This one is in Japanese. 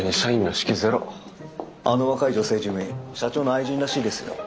あの若い女性事務員社長の愛人らしいですよ。